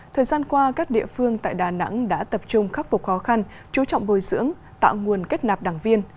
thời gian qua các địa phương tại đà nẵng đã tập trung khắc phục khó khăn chú trọng bồi dưỡng tạo nguồn kết nạp đảng viên